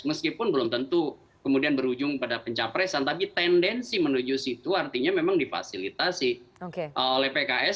meskipun belum tentu kemudian berujung pada pencapresan tapi tendensi menuju situ artinya memang difasilitasi oleh pks